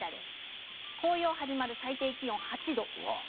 紅葉が始まる最低気温は８度。